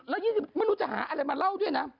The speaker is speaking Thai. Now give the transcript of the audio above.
หรือ๒๐นาทีมันรู้จะหาอะไรมาเล่าด้วยนะ